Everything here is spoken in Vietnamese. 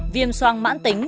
viêm soang mãn tính